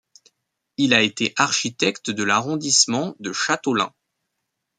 Il a été architecte de l'arrondissement de Châteaulin.